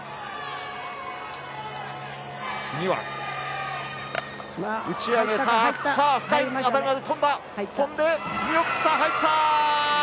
次は打ち上げた深い辺りまで飛んださあ、飛んで見送った、入った！